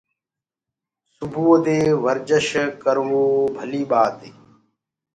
سبوودي ورجش ڪروو ڀلي ٻآتي